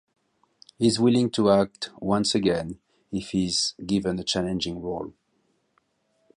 He is willing to act once again if he is given a challenging role.